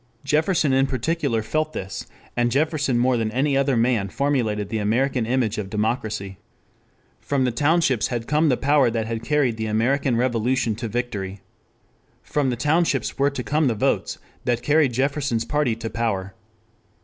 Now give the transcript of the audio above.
Jefferson in particular felt this, and Jefferson more than any other man formulated the American image of democracy. From the townships had come the power that had carried the American Revolution to victory. From the townships were to come the votes that carried Jefferson's party to power.